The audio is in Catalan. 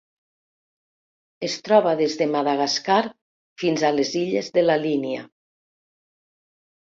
Es troba des de Madagascar fins a les illes de la Línia.